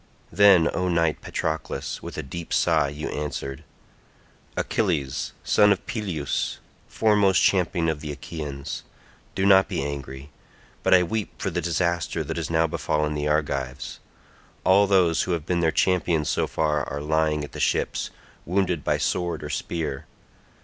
Then, O knight Patroclus, with a deep sigh you answered, "Achilles, son of Peleus, foremost champion of the Achaeans, do not be angry, but I weep for the disaster that has now befallen the Argives. All those who have been their champions so far are lying at the ships, wounded by sword or spear.